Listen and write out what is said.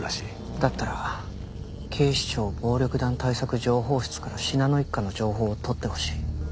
だったら警視庁暴力団対策情報室から信濃一家の情報を取ってほしい。